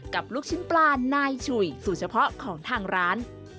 ลูกชิ้นปลานายฉุยสูตรเฉพาะของทางร้าน